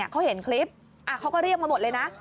เขาเห็นคลิปเขาก็เรียกมาหมดเลยนะ